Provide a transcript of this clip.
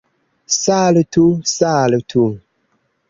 Saltu, saltu!